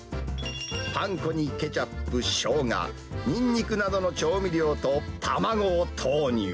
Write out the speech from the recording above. パン粉にケチャップ、ショウガ、ニンニクなどの調味料と卵を投入。